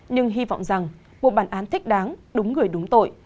nhưng hy vọng rằng một bản án thích đáng đúng người đúng tội